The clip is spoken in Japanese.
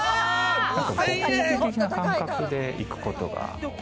ご褒美的な感覚で行くことが。